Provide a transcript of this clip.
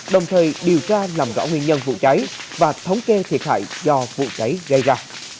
đồng thời điều tra làm rõ nguyên nhân vụ cháy và thống kê thiệt hại do vụ cháy gây ra